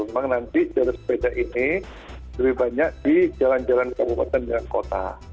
memang nanti jalur sepeda ini lebih banyak di jalan jalan kabupaten dan kota